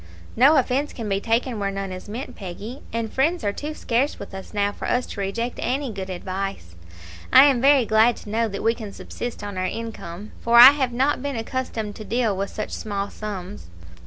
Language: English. "No offence can be taken where none is meant, Peggy; and friends are too scarce with us now for us to reject any good advice. I am very glad to know that we can subsist on our income, for I have not been accustomed to deal with such small sums."